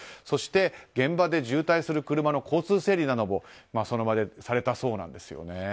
そして、現場で渋滞する車の交通整理などもその場でされたそうなんですね。